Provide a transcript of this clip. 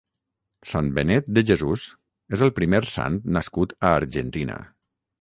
Sant Benet de Jesús és el primer sant nascut a Argentina.